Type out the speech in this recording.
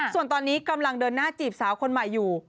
ส่วนตอนนี้กำลังเดินหน้าจีบสาวคนใหม่อยู่